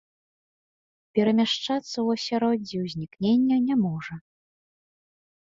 Перамяшчацца ў асяроддзі ўзнікнення не можа.